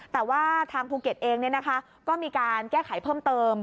แต่ว่าทางภูเก็ตเองก็มีการแก้ไขเพิ่มเติม